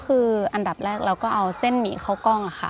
เราก็เอาเส้นหมี่ข้าวกล้องค่ะ